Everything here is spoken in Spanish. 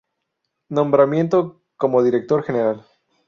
Nombramiento como director general.